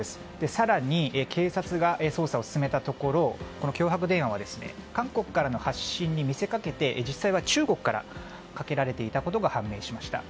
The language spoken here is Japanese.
更に、警察が捜査を進めたところ脅迫電話は韓国からの発信に見せかけて実際は中国からかけられていたことが判明しました。